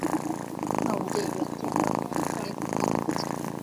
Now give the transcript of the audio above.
汉武帝元鼎六年开西南夷而置。